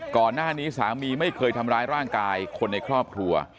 ก่อนหน้านี้สามีไม่เคยทำร้ายร่างกายคนในครอบครัว